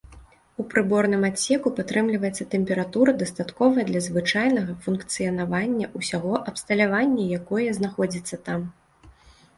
У прыборным адсеку падтрымліваецца тэмпература, дастатковая для звычайнага функцыянавання ўсяго абсталяванне, якое знаходзяцца там.